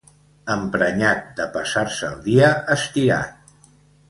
Emprenyat de passar-se el dia estirat.